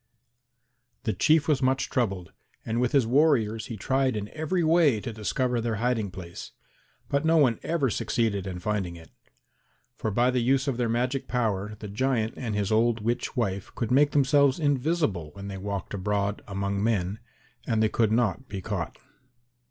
The Chief was much troubled, and with his warriors he tried in every way to discover their hiding place, but no one ever succeeded in finding it. For by the use of their magic power the giant and his old witch wife could make themselves invisible when they walked abroad among men and they could not be caught.